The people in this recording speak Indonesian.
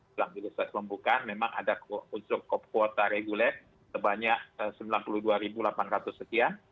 dalam proses pembukaan memang ada unsur kuota reguler sebanyak sembilan puluh dua delapan ratus sekian